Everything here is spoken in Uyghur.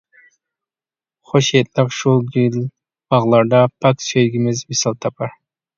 خۇش ھىدلىق شۇ گۈل باغلاردا، پاك سۆيگۈمىز ۋىسال تاپار.